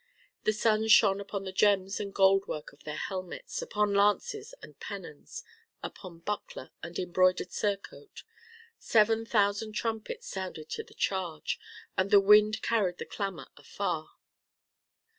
The sun shone upon the gems and goldwork of their helmets, upon lances and pennons, upon buckler and embroidered surcoat. Seven thousand trumpets sounded to the charge, and the wind carried the clamor afar.